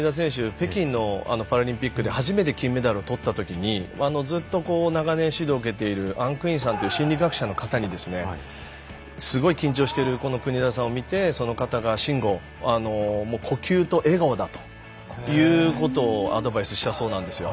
北京のパラリンピックで初めて金メダルを取ったときにずっと長年、指導を受けているアンクインさんという心理学者の方にすごく緊張してる国枝さんを見て、その方が慎吾、呼吸と笑顔だということをアドバイスしたそうなんですよ。